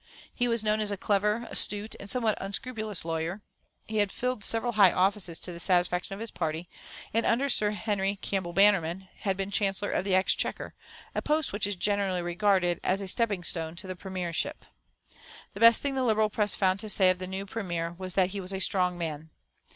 He was known as a clever, astute, and somewhat unscrupulous lawyer. He had filled several high offices to the satisfaction of his party, and under Sir Henry Campbell Bannerman had been Chancellor of the Exchequer, a post which is generally regarded as a stepping stone to the Premiership. The best thing the Liberal press found to say of the new Premier was that he was a "strong" man.